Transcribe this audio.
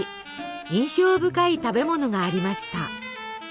印象深い食べ物がありました。